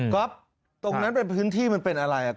ก๊อปตรงนั้นเป็นพื้นที่มันเป็นอะไรอ่ะก๊อป